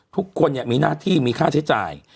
ทุกคนมีหน้าที่มีค่าใช้จ่าย